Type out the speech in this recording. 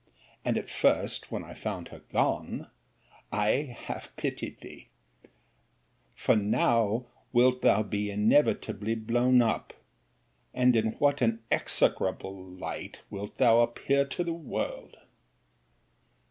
And at first when I found her gone, I half pitied thee; for now wilt thou be inevitably blown up: and in what an execrable light wilt thou appear to all the world!